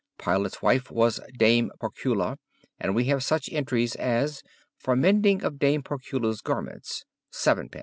Pilate's wife was Dame Procula, and we have such entries as, 'For mending of Dame Procula's garments, viid.'